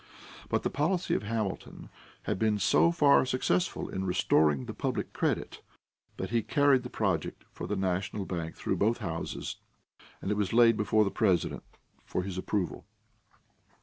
But the policy of Hamilton had been so far successful in restoring the public credit that he carried the project for the national bank through both houses, and it was laid before the President for his approval.